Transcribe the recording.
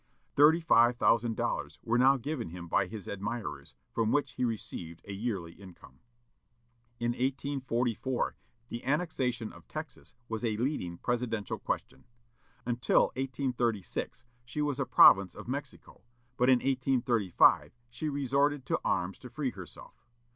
Thirty five thousand dollars were now given him by his admirers, from which he received a yearly income. In 1844, the annexation of Texas was a leading presidential question. Until 1836 she was a province of Mexico, but in 1835 she resorted to arms to free herself.